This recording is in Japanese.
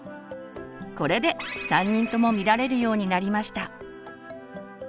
これで３人とも見られるようになりました。